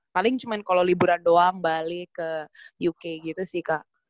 paling cuma kalau liburan doang balik ke uk gitu sih kak